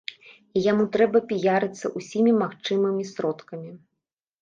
І яму трэба піярыцца ўсімі магчымымі сродкамі.